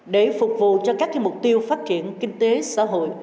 để phục vụ cho các mục tiêu phát triển kinh tế xã hội